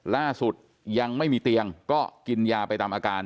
ล่าสุดยังไม่มีเตียงก็กินยาไปตามอาการ